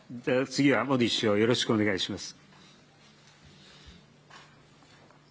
次はモディ首相、よろしくお願いします。